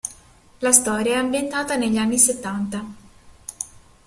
La storia è ambientata negli anni settanta.